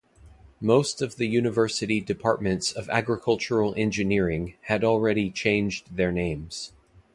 Most of the university departments of agricultural engineering had already changed their names.